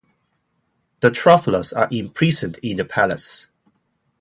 The travelers are imprisoned in the palace.